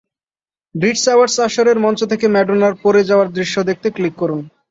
ব্রিট awards আসরের মঞ্চ থেকে ম্যাডোনার পড়ে যাওয়ার দৃশ্য দেখতে ক্লিক করুন।